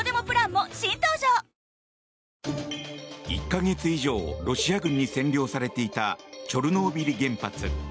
１か月以上ロシア軍に占領されていたチョルノービリ原発。